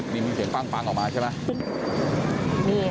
นี่มีเสียงปั้งออกมาใช่ไหม